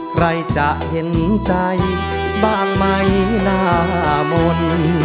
ใครจะเห็นใจบ้างไหมหน้าบน